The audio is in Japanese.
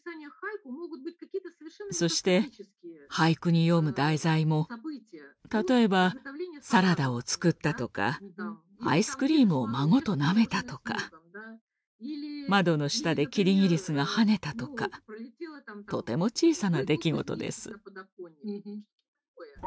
そして俳句に詠む題材も例えばサラダを作ったとかアイスクリームを孫となめたとか窓の下でキリギリスが跳ねたとかとても小さな出来事です。